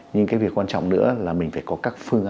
nhưng cái việc quan trọng nữa là mình phải có các phương án